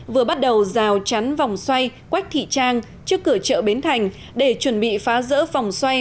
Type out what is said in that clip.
vừa bắt đầu rào chắn vòng xoay quách thị trang trước cửa chợ bến thành để chuẩn bị phá rỡ vòng xoay